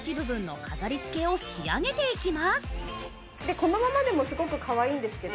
このままでもすごくかわいいんですけど。